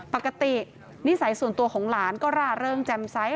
ปกตินิสัยส่วนตัวของหลานก็ร่าเริงแจ่มไซส์